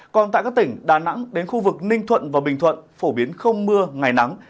còn tại các tỉnh đà nẵng đến khu vực ninh thuận và bình thuận phổ biến không mưa ngày nắng